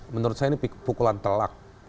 menurut saya ini pukulan telak